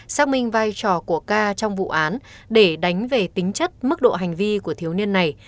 xác minh vai trò của ca trong vụ án để đánh về tính chất mức độ hành vi của thiếu niên này